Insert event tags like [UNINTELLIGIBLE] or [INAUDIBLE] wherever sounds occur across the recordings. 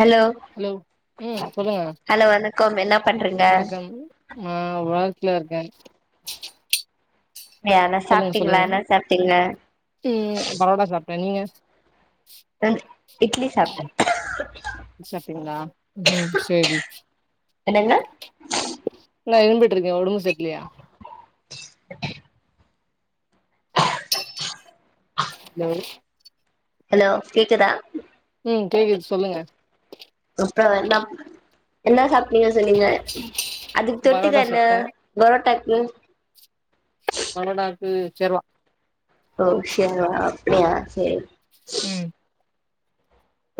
Hello hello ம் சொல்லுங்க hello வணக்கம் என்ன பண்றீங்க வணக்கம் நா ஒர் ல இர்க்க அப்டியா சாப்பிட்டீங்ளா என்ன சாப்பிட்டீங்க அப்புறோ நீங்க இட்லி சாப்ட்டே சாப்டீங்களா ம் செரி என்னங்க இல்ல இரும்பு இருக்கு ஒடம்பு ஜக்கிலயா ஹலோ ஹலோ கேக்குதா ம் கேக்குது சொல்லுங்க அப்புறோ என்ன என்ன சாப் நீங்க சொன்னீங்க அதுக்கு தொட்டுக்க பரோட்டா என்ன சாப்ட்டே பரோட்டாக்கு பரோடாக்குச் சேர்வா ஓ சேர்வா அப்டிய செரி ம்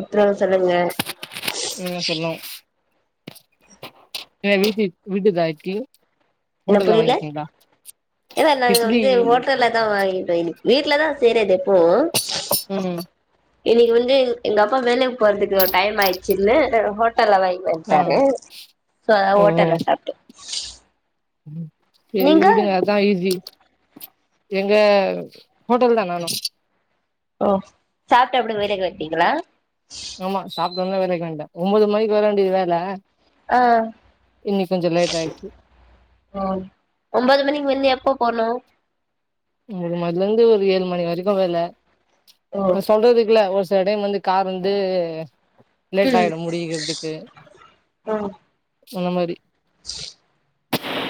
ப்புறோ சொல்லுங்க நீதா சொல்லு ஏ வீட்டு வீட்டு [UNINTELLIGIBLE] என்ன புரியல இல்ல நாங்க இட்லி வந்து ஹோட்டல்ல தா வாங்கி த இன்னிக்கி வீட்டுலதா செய்றது எப்பவு ம் இன்னிக்கு வந்து எங்க அப்பா வேலைக்கு போறதுக்கு டைம் ஆய்ச்சினு ஹோ டல்லா வாங்கிட்டு ஆ வண்டாரு சோ அதனால ஓட்டல்ல சாப்பட்டு ம் செரி நீங்க விடுங் அதா ஈஸி எங்க ஹோட்டல் தா நானு ஓ சாப்பிட்டு அப்டி வேலைக்கு கெளம்பிடீங்களா ஆமா சாப்பிட்டோன்னே வேலைக்கு வன்டே ஒன்பது மணிக்கு வர வேண்டிய வேல ஆ இன்னைக்கு கொஞ்சோ லேட் ஆயிட்டு ஒ ஒன்பது மணிக்கு வந்து எப்ப போனும் [UNINTELLIGIBLE] இருந்து ஒரு ஏழு மணி வரைக்கு வேல ஓ நா சொல்றதுக்குல்ல ஒரு இந்தடைம் வந்து கார் வந்து லேட் ம் ஆயிடும் முடியிகிறதுக்கு ம் அந்த மாரி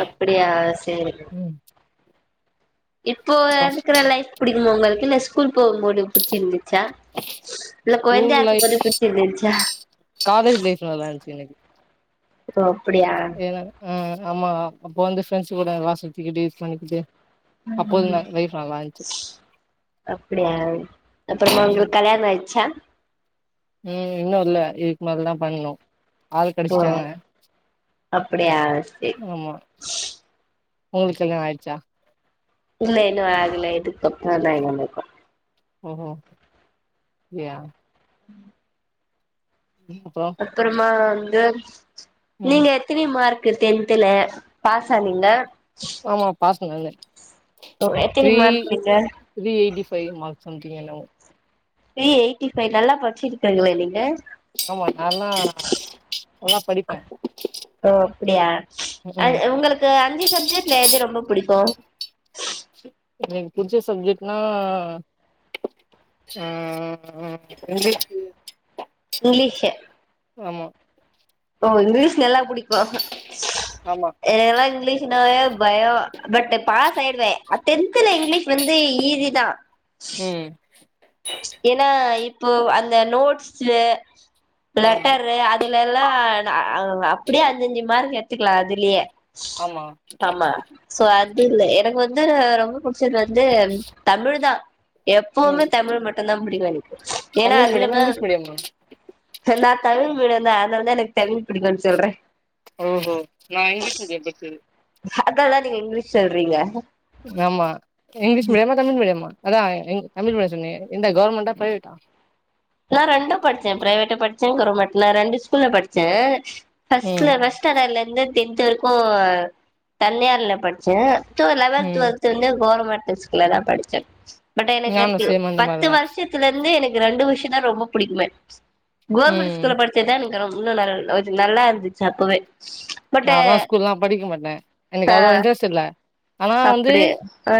அப்டியா செரி ம் இப்போ இருக்கிற லைஃப் பிடிக்குமா உங்கள் இல்ல ஸ்கூல் போகும்போது புடிச்சிருந்து ச்சா இல்ல ஸ்கூல் கொழந்தையா லைஃப் இருக்கும்போது பிடிச்சிருந்துச்சா எனக் ஆஹ ஏன்னா ஆ ஆமா அப்போ வந்து ஃப்ரெண்ட்ஸ் கூட எல்லா சுத்துக்கிட்டு இது பண்ணிக்கிட்டு அப்போது ந லைஃப் நல்லா இருந்துச்சு [INAUDIBLE] அப்டியா அப்புறமா உங்களுக்கு கல்யாண ஆயிச்சா உம் இன்னு இல்ல இதுக்கு மேலதா பண்ணனு ஹ அப்டியா சேரி உங்கள்கு கல்யாணோ ஆயிச்சா இல்ல இன்னூ ஆகல இதுக்கப்றந்தா எனக்கூ ஓஹோ அப்டியா ம் அப்றோ அப்றமா து ம் நீங்க எத்தினி மார்க் கு டென்த்துல பாஸா நீங்க [UNINTELLIGIBLE] ஒ எத்தினி மார்க் நீங்க ஃபை மார்க் சம்த்திங் என்னவோ த்ரீ எயிட்டி ஃபை நல்லா படிச்சிருக்கங்ளே நீங்க ஆமா நான்லா நல்லா படிப்பே ஓ அப்படியா அ ம் உங்களுக்கு அஞ்சு சப்ஜெக்ட்ல எது ரொம்ப புடிக் ஓ எனக்கு புடிச்ச சப்ஜெக்ட்னா ஆ இங்க்லிஷு இங்கிலீஷு ஆமா ஓ இங்கிலீஷ் நல்லா புடிக்கூ ஆமா எனக்லா இங்கிலீஷ்னாவே பயோ பட் நா பாஸ் ஆயிடுவே அட் டென்த் த்துல இங்க்லீஷ் வந்து ஈஸிதா ம் போ அந்த நோட்ஸ்ஸு ஆ லெட்டரு அது லல்லா அ அ அப்டியே அஞ்சஞ்சு மார்க் எடுத்துக்லா அதுலயே ஆமா ஆமா சோ அத் து இல்ல எனக்கு வந்து ரொம்ப புடிச்சது வந்து தமிழ் தா ம் எப்போமேத் தமிழ் மட்டுந்தா புடிக்கூ எனக்கு ஏனா தமிழ் மீடியமா அதுலதா இங்கிலீஷ் மீடியமா நா தமிழ் மீடிய தா அத்னாலதா எனக்கு தமிழ் புடிக்கூ சொல்றே ஓஹோ நான் இங்க்லீஷ் மீடியோ படிச்சது அதாலதா நீங்க இங்க்லீஷ் சொல்றீங்க ஆமா இங்க்லிஷ் மீடியமா தமிழ் மீடியமா அதா எங் தமிழ் மீடியோ சொன்னீங்க எந்த கவுர்மெண்ட்டா பிரைவேட்டா நான் ரெண்டூ படிச்சே பிரைவேட்டூ படிச்சே கவுர்மெண்ட் நா ரெண்டு ஸ்கூல்ல படிச்சே ம் ஃபஸ்ட்ல ஃபஸ்ட் ஸ்டாண்டுலேந் ந்து டென்த் வரைக்கு தன்யார்ல படிச்சே து லெவன்த் ம் ட்வெல்த் இருந்து கவர்மெண்ட் ஸ்க்ல தான் படிச்சே பட் எனக்கு நானு த்யு சேம் அந்த பத்து மாரிதா வருஷத்துலருந்து எனக் ரெண்டு வருஷ நா ரொம்ப புடிக்குமே கோர்மண்ட்டு ம் ஸ்கூல்ல படிச்சத்தா எனக் ம் இன்னும் [UNINTELLIGIBLE] நல்லாருந்துச்சு அப்பவே பட்டு நால்லா ஸ்கூல்லா படிக்க மாட்டே ஆ எனக்கு அவ்ளவா இன்ட்ரெஸ்ட் இல்ல ஆனா வந்து அப்டி ஆ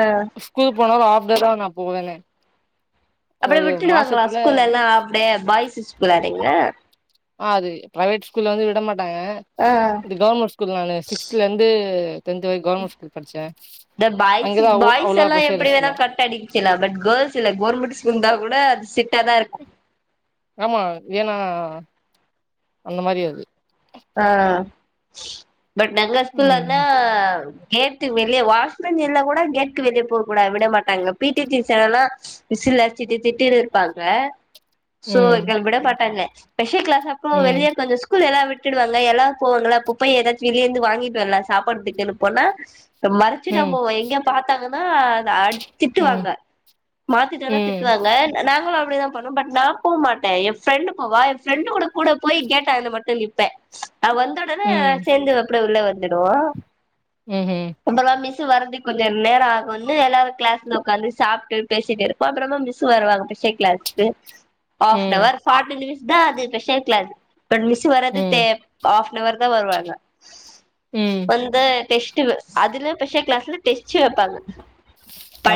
ஸ்கூல் போனாலு ஆஃப் டேதா நான் போவேனே அப்டியே ஒரு விட்டுடுவாங்களா மாசத்துல ஸ்கூல்ல எல்லாம் ஆஃப்டே பாய்ஸ்ஸு ஸ்கூல்ல இல்ல ஆது பிரைவேட் ஸ்கூல்ல வந்து விட மாட் டாங்க ஆ இது கவர்மெண்ட் ஸ்கூல் நானு சிக்ஸ்த்லந்து இந்த பாய்ஸ் அங்கதா அவ் அவ்ளவா பாய்ஸெல்லா எப்டி ப்ரெஷர்ஸ் இல்ல வேணா கட்ட அடிக்கலா பட் கேர்ள்ஸ் இல்ல கவுர்மெண்ட் ஸ்கூல் தான் கூட அது செட்டாதா இருக்கு ஆமா ஏன்னா அந்த மாரி அது ஆஹ் பட் நல்ல ஸ்கூலாந்தா ம் கேட்டு வெளியே வாஷ்மேன் இல்னா கூட கேட்டுக்கு வெளியே போக கூடா விட மாட்டாங்க பீ டி டீச்சர் எல்லா விசில் அச்சிட்டு திட்டிட்டு இருப்பாங்க சோ ம் எங்கள் விட மாட்டாங்க ஸ்பெஷல் கிளா அப்போ வெளிய ம் கொஞ்சொ ஸ்கூல் எல்லா விட் விட்டுடுவாங்க எல்லாம் போவங்களா அப்பப்போ ஏதாச்சு வெளியேந்து வாங்கிட்டு வரலாம் சாப்பட்துக்குன் போனா ப்ப மறைச்சுடா ம் போவே எங்கயா பா்த்தாங்கன் ஆ நான் ம் திட்டுவாங்க மாத்திட்டனா ம் திட்டுவாங்க நாங்களு அப்டி தா பண்ணு பட் நா போ மாட்டே ஏ ஃபிரெண்டு போவா ஏ ஃப்ரெண்டு கூட கூட போய் கேட்டான்ட மட்டு நிப் அவ் வந்தொடனே ம் சேர்ந்து அப்டி உள்ள வ துடுவோ ஊஹும் டுவரது கொஞ்சொ நேராகுன்னு எல்லாரு கிளாஸ்ல ஒக்காந்து சாப்ட்டு பேசிட்டிருப்போ அப்றமா மிஸ்ஸு வருவாங்க ஸ்பெஷல் கிளாஸ்க்கு ம் ஆஃப்னவர் ஃபாட்டி மினிட்ஸ் தான் அது ஸ்பெஷல் கிளாஸ் பட் மிஸ்சு வரது ம் ஆஃப்னவர் தான் வருவாங்க ம் வந்து டெஸ்ட் அதுல ஸ்பெஷல் கிளாஸ்ல டெஸ்ட் வைப்பாங்க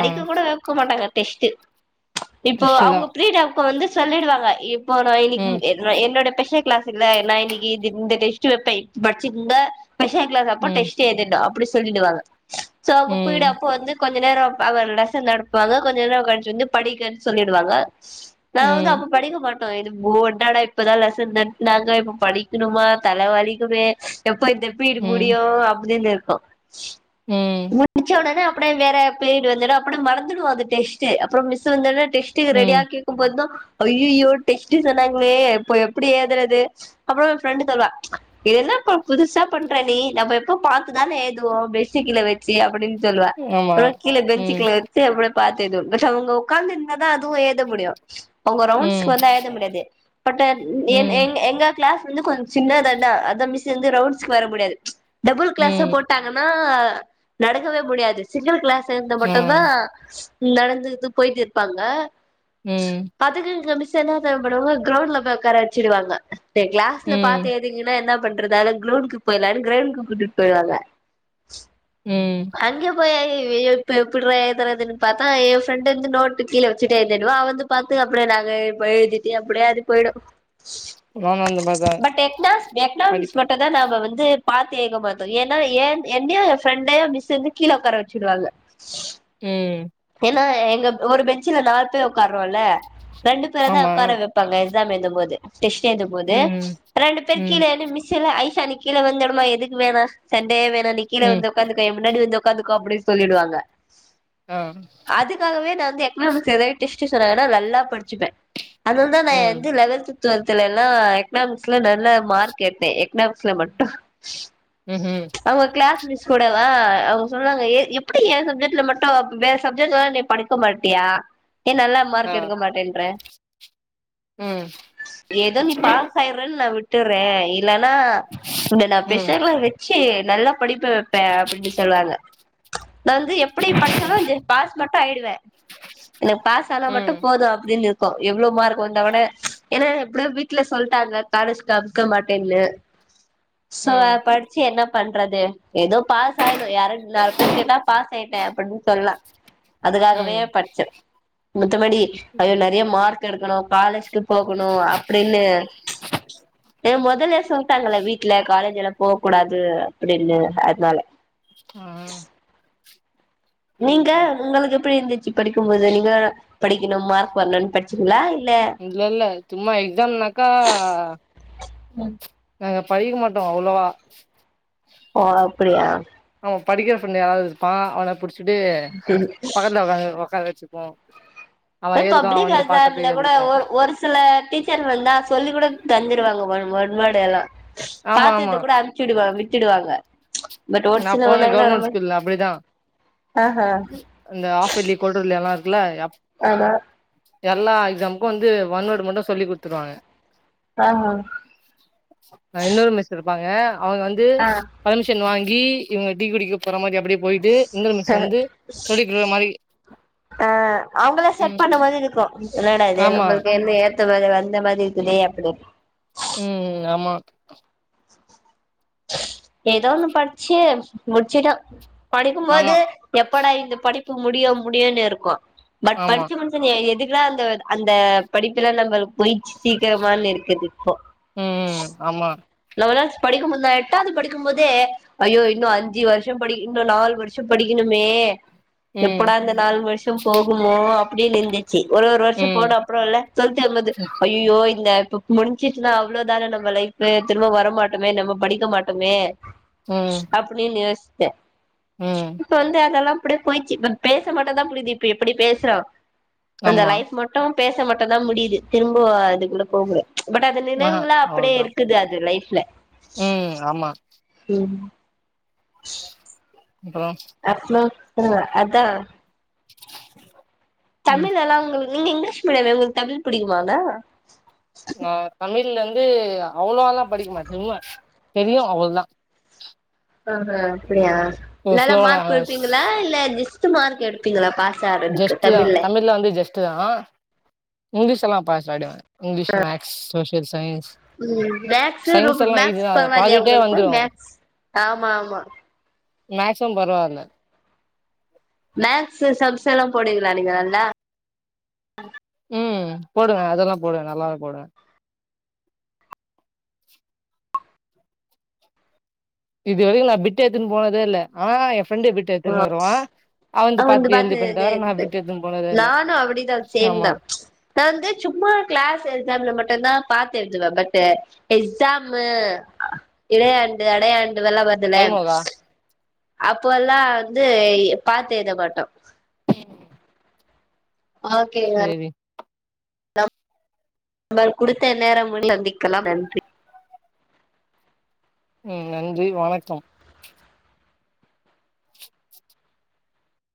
ஆ கூட வெக்க மாட்டாங்க டெஸ்ட்டு இப்போ ரெஸ்ட்டு தா அவங்க பீரீடாவுக்க வந்து சொல்லிடுவாங்க இப் போன இன்னிக்கு ம் என்ன என்னோட ஸ்பெஷல் என்ன எனா இன்னைக்கு இந்த டெஸ்ட்டு வப்ப இப்ப பட்ச்கங்க ஸ்பெஷல் கிளாஸ் அப்போ ம் டெஸ்ட் எழுதனும் அப்படி சொல்லிடுவாங்க சோ அங்க போய்ட ம் அப்ப வந்து கொஞ்ச நேரம் அவர் லெசன் நடப்புவாங்க கொஞ்ச நேரம் கழிச்சு வந்து படிங்க சொல்லிடுவாங்க நான் வந்து அப்ப ம் படிக்க மாட்டேன் இது [UNINTELLIGIBLE] இப்பதான் லெசன் நடத்து நாங்க இப்ப படி ருமா தலவலிக்குமே எப் எப்ப இந்த பீரிடி ம் முடியோ அப்படின்னு இருக் ஆ ம் முடிச்ச உடனே அப்படியே வேற பீரியட் வந்துரும் அப்படிய மறந்துடும் அது டெஸ்ட் அப்புறம் மிஸ் வந்த உடனே டெஸ்ட்க்கு ம் ரெடியாக்கிக்கும்போதுதான் அய்யயோ டெஸ்ட்டு சொன்னாங்களே இப்போ எப்படி ஏதுறது அப்புறம் என் ஃப்ரெண்டு் சொல்லுவா இது என்ன பா புதுசா பண்ற நீ நம்ம எப்பவும் பாத்துதானே எதுவோ பென்ஞ்ச் கீழ வச்சு அப்படின்னு சொல்லுவா ஆமா அப்புறம் கீழ பெஞ்ச் ம் கீழ வச்ச அப்படியே பாத்து பட் அவங்க உட்காந்து இருந்தாதான் அதுவும் ஏத முடியும் அவங்க ரவுண்ட்ஸ் ம் வந்தா ஏத முடியாது பட் ம் எங்க எங்க கிளாஸ் வந்து கொஞ்ச சின்னதாண்டா அதான் மிஸ் வந்து ரவுண்ட்ஸ்கு வர முடியாது டபுள் கிளாஸா ம் போட்டாங்கன்னா அஹ் நடக்கவே முடியாது சிங்கிள் கிளாஸ் சேர்ந்த ஆ மட்டுதா நடந்துது போய் ட்டு இருப்பாங்க ம் [UNINTELLIGIBLE] ல்ல தேவைப்படுவங்க கிரௌண்ட்ல போய் உக்கார வச்சிடுவாங்க எ கிளாஸ்ல ம் பாத்து ஏதிங்கன்னா என்ன பண்றதால கிரௌண்டுக்கு போயலான்னு கிரௌண்டுக்கு கூட்டிட்டு போயவாங்க உம் போயப்ப எப்படிற எதரதுன்னு பாத்தா என் ஃரெண்ட் வந்து நோட்டு கீழே வச்சுட்டே எழுடுவ அவன்ந்து பாத்து அப்படியே நாங்க போய் எழுதிட்டட்டு அப்படியே அது போயிடும் ஆ பட் எக்னா எக்னாமிஸ் மட்டும் தா நாங்க வந்து பாத்து எழுத மாட்டோம் ஏன்னா ஏ என்னோ என் ஃரெண்ட மிஸ் வந்து கீல உக்கார வச்சுடுவாங்க உம் ஆனா எங்க ஒரு பென்ச்சில நாலு பேர் உட்காறோம்ல ரெண்டு பேரும்தான் ஆமா உட்கார வெப்பாங்க எக்ஸாம் எழுதும்போது டெஸ்ட் எழுதும்போது ம் ரெண்டு பேர் ம் கீழ [UNINTELLIGIBLE] சரிக்கீழ வந்துடுமா எதுக்கு வேணா சன தேவ ன நீ ம் வந்து உட்காந்துக்க என் முன்னாடி வந்து உக்காந்துக்கோ அப்படினு சொல்லிடுவாங்க ஆ அதுக்காகவே நான் வந்து எக்கனாமிக்ஸ் எதாது சொன்னாங்கன்னா நல்லா படிச்சுப்பேன் அதுதா ந ம் எந்த லெவல்க்குப் டுவல்த்ல எல்லாம் எக்னாம்ஸ்ல நல்லா மார்க் எடுத்தேன் எக்னாம்ஸ்ல மட்டும் ம்ஹ்ம் அவுங்க கிளாஸ் மிஸ் கூடவா அவங்க சொல்றாங்க ஏ எப்படி ஏன் சப்ஜெக்ட்ல மட்டும் வேற சப்ஜெக்ட்ல்லா நீ படிக்க மாட்டியா ஏ நல்லா மார்க் எடுக்க மாட்டேன்ற உம் கிறன்னு நா விட்டுறே இல்லனா உன்ன நா ம் பெஷலா வெச்சு நல்ல படிப்ப வைப்பேன் அப்படின்னு சொன்னாங்க நா வந்து எப்படி படிச்சாலும் ஜஸ்ட் பாஸ் மட்டு ஆயிடுவே எனக்கு பாஸ் ஆனா மட்டு ம் போதும் அப்படின்னு இப்ப எவ்வளோ மார்க்க வந்தவன ஏன்னா எப்படி வி வீட்டுல சொல்லிட்டாங்க காலேஸ்க்கு மாட்டேன்னு சொ ம் படுச்சு என்ன பண்றது ஏதோ பாஸ் ஆயிடுவே யாரோ நாலு பேர் கேட்டா பாஸ் ஆயிட்டேன் அப்படின்னு சொல்லலாம் அதுக்காகவே ம் படிச்சே மத்தபடி அயோ நெறைய மார்க் எடுக்கணு காலேஜ்க்கு போகணும் அப் ஏ மொதல்ல சொல்லிட்டாங்கள வீட்டுல காலேஜ் எல்லாம் போக கூடாது அப்டின்னு அதனால அ நீங்க உங்களுக்கு எப்டி இருந்துச்சு படிக்கும் போது நீங்க படிக்கணு மார்க் வாங்ணுனு படிச்சிங்களா இல்ல இல்ல சும்மா எக்ஸாம் நாக்கா ஹ படிக்க மாட்டோ அவ்ளவா ஓ அப்படியா ஆ படிக்கிற பிரண்ட் யாராவது இருப்பான் அவன புடிச்சு [UNINTELLIGIBLE] பக்கத்துலவுகந்து உக்காறவெ ச்சிப்பா தோ பப்ளிக் எக்ஸாம்ல கூட ஒர் ஓரு சில டீச்சர் வந்தா சொல்லி கூட தந்துருவாங்க மேட ஓன்வேட் எல்லா ஆமா பாத்தத கூட அனுச்சு விட் திடுவாங்க நான் போன கவர்மெண்ட் ஸ்கூல்ல அப்டிதான் ஆஹா இந்த ஆப்பர்லி குவாடர்லி எல்லாம் இல்ல ஆமா எல்லா எக்ஸாமுக்கும் வந்து ஒன் வேர்டு மட்டு சொல்லி கொடுத்துருவாங்க ஆஹா ஆஹ் இன்னொரு மிஸ் இரு பாங்க அவங்க வந்து ஆ பர்மிஷன் வாங்கி டீ இவங்க டீ குடிக்கு போற மாரி அப்டியே போயிட்டு இன்னொரு மிஸ் ஹ வந்து சொல்லி குடுக்குற மாரி ஆஹ் அவங்களாம் செட் ஆன ம் மாறி இருக்கும் என்னட இது ஆமா நம்மளுக்கு எந்த தவங்க வந்த மாதிரி இருக்குதே அப்டி உம் ஆமா. ஏதோ ஒண்ணு படிச்சு முடிச்சிட்டோம் ஆமா படிக்கும்போது எப்படா இந்த படிப்பு முடிய முடியும்னு இருக்கு பட் ஆமா படிச்சு முடிச்ச எதுக்கு அந்த அந்த படிப்புலாம் நம்ம போயிச்சு சீக்கிரமானு இருக்குது இப்போ. ம் ஆமா. படிக்கும்போதுதான் எட்டாவது படிக்கும் போதே ஐயோ இன்னு அஞ்சு வருஷம் படி இன்னு நாலு வருஷம் படிக்கணுமே ம் எப்படா இந்தந்த நாலு வருஷம் போகுமோ அப்படியே நந்துச்சு ஒரு ஒரு வருஷம் ம் போன அப்புறம் இல்ல [UNINTELLIGIBLE] ஐயோ இந்த இ முடிஞ்சிட்டுனா அவ்ளோ தான நம்ம லைப் திரும்ப வர மாட்டோமே நம்ம படிக்க மாட்டோமே ம் அப்டின்னு யோஸ் சே ம் இப்ப வந்து அதல்லாம் அப்டியே போய்ச்சு இப்ப பேசமட்டும்தான் புரிது இப்ப எப்டி பேசுறான் அந்த ஆமா லைஃப் மட்டும் பேச மட்டும் தான் முடிது திரும்போ அதுக்குள்ள போகுற ச் பட் அது நினைவுங்களாம் அப்டியே இருக்குது அது லைஃப்ல உம் ஆமா உம் [UNINTELLIGIBLE] அஃப்னும் ஆஹ் அதான் [UNINTELLIGIBLE] ம் தமிழ் எல்லா உங்களுக் நீங்க இங்கிலீஷ் மீடியம் தான உங்களுக்கு தமிழ் பிடிக்குமாங்க ஆஹ் தமிழ்லந் வந்து அவ்வளோல்லாம் படிக்குமாட்டே சும்மா தெரியும் அவ்ளோ தா ஆஹ் ஆஹ் அப்டியா ஓ நல்லா ஸ்லோலா மார்க் எடுப்பீங்களா இல்ல டிஸ் [UNINTELLIGIBLE] மார்க் எடுப்பிங்களா பாஸ் ஜெஸ்ட் தான் தமிழ்ல வந்து ஜெஸ்ட் தான் இங்கிலீஷ் எல்லாம் பாஸ் ஆய்டுவே இங்கிலிஷ் மேக்ஸ் சோஷியல் சைன்ஸ் உம் மேக்ஸ் ரொம்ப மேக்ஸ் தா அது பரவால்லயா ப்ராஜெக்டே உங்களுக்கு வந்துரு மேக்ஸ் ஆமா ஆமா மேக்ஸ்ம் பரவால்ல மேக்ஸு சம்ஸல்லா போடுவிங்ளா நீங்க நல்லா உம் போடுவே அதெல்லா போடுவே நல்லாவே போடுவே இது வரைக்கு நா பிட்டு எடுத்துன்னு போனதே இல்ல ஆனா எ ஃப்ரெண்டு பிட் எத்துன்னு வருவா [UNINTELLIGIBLE] அவன்து அவனுது பாத்து எழுதிப்பே தவிர நா சேரின்டு பிட் எத்துன்னு போனதே இல்ல நானும் அப்டிதான் ஆமா சேம்தா நான் வந்து சும்மா கிளாஸ் எக்ஸாம்ல மட்டும்தா பாத்து எழுதுவே பட்டு எக்ஸாமு இடையாண்டு அடையாண் இதல்லா பாத்தேல டைம் ஆவுதா அப்பல்லா வந்து இ பாத்தெழுத மாட்டோ [UNINTELLIGIBLE] நல்லா இருக்கீங்களா சேரி நம் நம் குடுத்த நேரம் முடிக்கலாம் நன்றி உம் நன்றி வணக்கம்